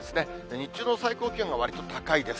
日中の最高気温がわりと高いです。